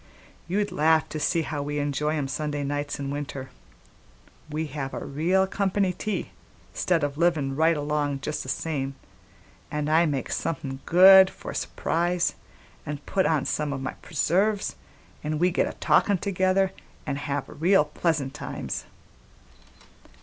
"You'd laugh to see how we enjoy 'em Sunday nights in winter: we have a real company tea 'stead o' livin' right along just the same, an' I make somethin' good for a s'prise an' put on some o' my preserves, an' we get a'talkin' together an' have real pleasant times."